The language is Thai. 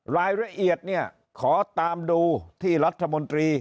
รายละเอียดเนี่ยขอตามดูที่รัฐมนตรี